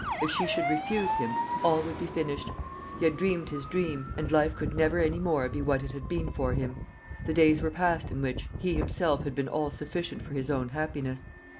If she should refuse him, all would be finished. He had dreamed his dream, and life could never any more be what it had been for him. The days were past in which he himself had been all sufficient for his own happiness.